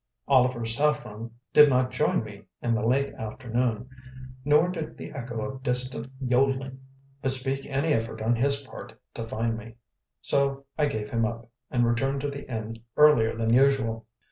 Oliver Saffron did not join me in the late afternoon; nor did the echo of distant yodelling bespeak any effort on his part to find me. So I gave him up, and returned to the inn earlier than usual.